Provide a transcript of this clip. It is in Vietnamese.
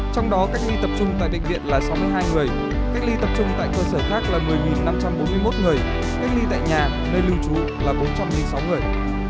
trong đó cách ly tập trung tại bệnh viện là sáu mươi hai người cách ly tập trung tại cơ sở khác là một mươi năm trăm bốn mươi một người cách ly tại nhà nơi lưu trú là bốn trăm linh sáu người